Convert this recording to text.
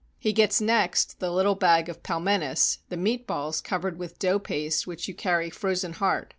He gets next the little bag of pehnenes, the meat balls covered with dough paste which you carry frozen hard.